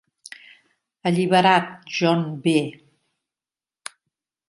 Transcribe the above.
Alliberat, John B.